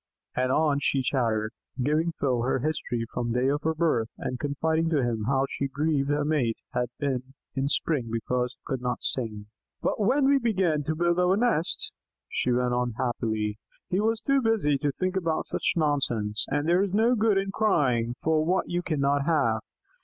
And on she chattered, giving Phil her history from the day of her birth, and confiding to him how grieved her mate had been in spring because he could not sing. "But when we began to build our nest," she went on happily, "he was too busy to think about such nonsense, and there is no good in crying for what you cannot have!